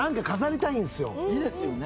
いいですよね。